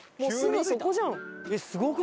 もうすぐそこじゃん。